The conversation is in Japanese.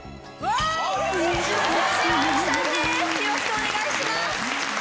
よろしくお願いします。